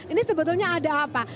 ini sebetulnya ada apa